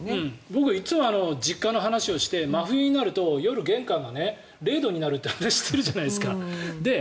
僕はいつも実家の話をして真冬になると夜、玄関が０度になるという話をしているじゃないですか。